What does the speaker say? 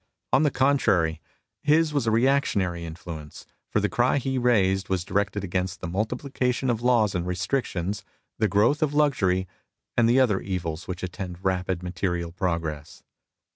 On the con trary, his was a reactionary influence, for the cry he raised was directed against the multiplication of laws and restrictions, the growth of luxury, and the other evils which attend rapid material progress.